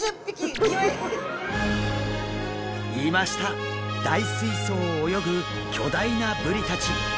大水槽を泳ぐ巨大なブリたち。